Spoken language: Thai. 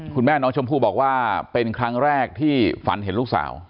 คุณแม่น้องชมพู่บอกว่าเป็นครั้งแรกที่ฝันเห็นลูกสาว